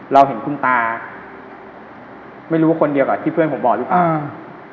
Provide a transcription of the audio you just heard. เราเห็นคุณตาไม่รู้ว่าคนเดียวกับที่เพื่อนผมบอกหรือเปล่า